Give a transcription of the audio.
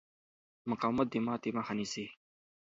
مقاومت د ماتې مخه نیسي.